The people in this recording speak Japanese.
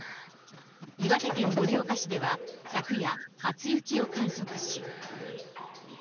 岩手県盛岡市では、昨夜、初雪を観測し。